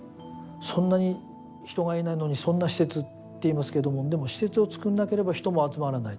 そんなに人がいないのにそんな施設と言いますけれどもでも、施設を造らなければ人も集まらない。